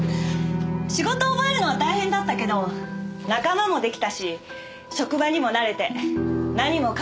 仕事を覚えるのは大変だったけど仲間も出来たし職場にも慣れて何もかもうまくいってた。